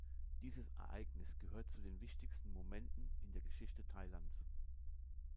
Dieses Ereignis gehört zu den wichtigsten Momenten in der Geschichte Thailands.